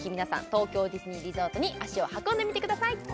東京ディズニーリゾートに足を運んでみてください